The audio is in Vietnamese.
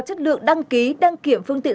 chất lượng đăng ký đăng kiểm phương tiện